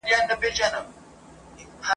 او ساړه او توند بادونه !.